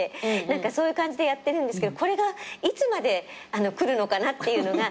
何かそういう感じでやってるんですけどこれがいつまでくるのかなっていうのが。